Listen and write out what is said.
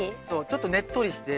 ちょっとねっとりして。